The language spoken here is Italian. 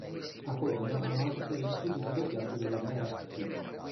A Cologno hanno anche sede gli studi di doppiaggio della Merak Film.